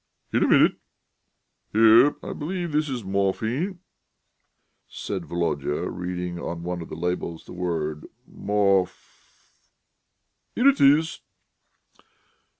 "In a minute.... Here, I believe this is morphine," said Volodya, reading on one of the labels the word "morph...." "Here it is!"